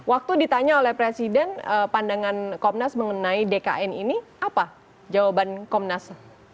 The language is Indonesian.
waktu ditanya oleh presiden pandangan komnas mengenai dkn ini apa jawaban komnas